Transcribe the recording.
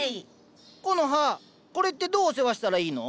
コノハこれってどうお世話したらいいの？